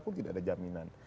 kok tidak ada jaminan